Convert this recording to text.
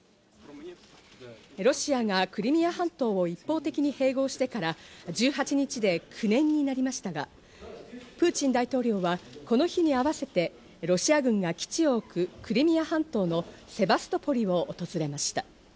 ロシアがクリミア半島を一方的に併合してから１８日で９年になりましたが、プーチン大統領は、この日に合わせてロシア軍が基地を置くクリミア半島のセバストポリを訪れました。